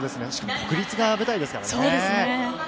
しかも国立が舞台ですからね。